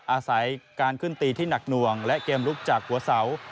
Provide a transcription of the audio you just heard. อาศัยการขึ้นตีที่หนักหน่วงและเกมลุกจากหัวเสา